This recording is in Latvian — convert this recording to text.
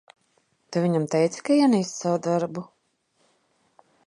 Tu viņam teici, ka ienīsti savu darbu?